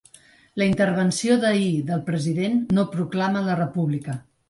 La intervenció d’ahir del president no proclama la república.